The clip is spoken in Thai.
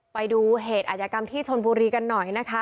ไปดูเหตุอาจยกรรมที่ชนบุรีกันหน่อยนะคะ